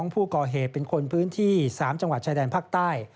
ผู้ก่อเหตุเป็นคนพื้นที่๓จังหวัดชายแดนภาคใต้